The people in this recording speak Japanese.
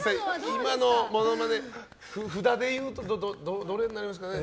今のモノマネ、札でいうとどれになりますかね。